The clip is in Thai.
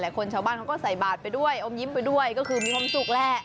คนชาวบ้านเขาก็ใส่บาทไปด้วยอมยิ้มไปด้วยก็คือมีความสุขแหละ